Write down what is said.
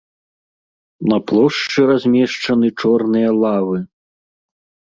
На плошчы размешчаны чорныя лавы.